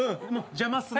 邪魔すな。